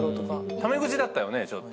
タメ口だったよねちょっと。